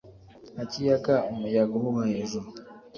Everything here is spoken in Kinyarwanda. nka kiyaga umuyaga uhuha hejuru